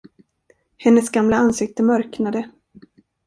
Hennes gamla ansikte mörknade.